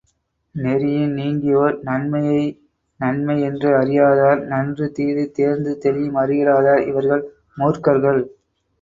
நெறியின் நீங்கியோர், நன்மையை நன்மை என்று அறியாதார், நன்று தீது தேர்ந்து தெளியும் அறிவிலாதார் இவர்கள் மூர்க்கர்கள்!